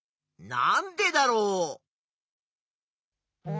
なんでだろう？